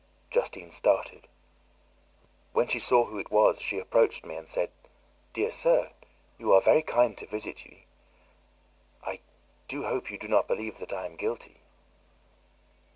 Justine started. When she saw who it was, she approached me and said, "Dear sir, you are very kind to visit me; you, I hope, do not believe that I am guilty?"